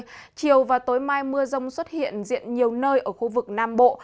trong đêm nay chiều và tối mai mưa rong xuất hiện diện nhiều nơi ở khu vực nam bộ